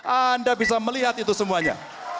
anda bisa melihat itu semuanya